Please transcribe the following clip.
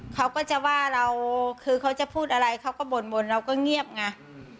เขาก็จะว่าเราคือเขาจะพูดอะไรเขาก็บ่นเราก็เงียบไง